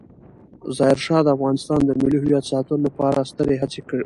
ظاهرشاه د افغانستان د ملي هویت ساتلو لپاره سترې هڅې وکړې.